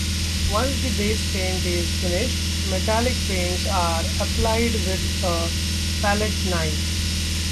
Once the base paint is finished, metallic paints are applied with a palette knife.